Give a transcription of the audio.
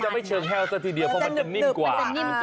จะไม่เฉินให้เลื่อนกะที้เดี๋ยวเพราะมันจะนิ่มกว่า